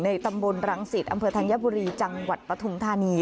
ตำบลรังสิตอำเภอธัญบุรีจังหวัดปฐุมธานี